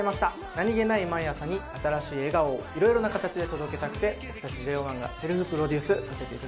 何げない毎朝に新しい笑顔を色々な形で届けたくて僕たちＪＯ１がセルフプロデュースさせていただきました。